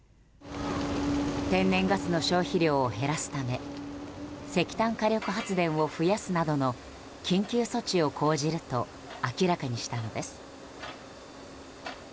天然ガスの消費量を減らすため石炭火力発電を増やすなどの緊急措置を講じると明らかにしたのです。